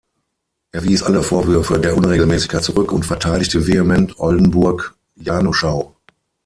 Er wies alle Vorwürfe der Unregelmäßigkeit zurück und verteidigte vehement Oldenburg-Januschau.